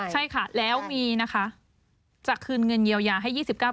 ใช่ค่ะแล้วมีนะคะจะคืนเงินเยียวยาให้๒๙บาท